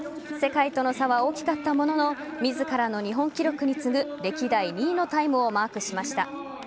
世界との差は大きかったものの自らの日本記録に次ぐ歴代２位のタイムをマークしました。